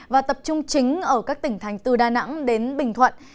và tập trung chính ở các tỉnh thành từ đà nẵng đến bình thuận